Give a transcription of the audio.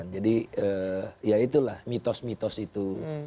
jadi ya itulah mitos mitos itu